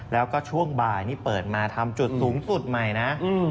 แล้วก็ช่วงบ่ายนี่เปิดมาทำจุดสูงสุดใหม่นะ